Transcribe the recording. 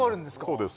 そうです